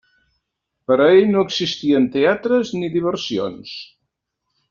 Per a ell no existien teatres ni diversions.